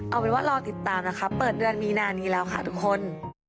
เอาเป็นว่ารอติดตามนะคะเปิดเดือนมีนานี้แล้วค่ะทุกคน